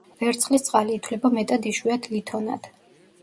ვერცხლისწყალი ითვლება მეტად იშვიათ ლითონად.